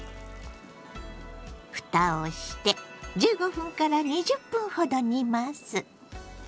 ふたをして１５分から２０分ほど煮ます。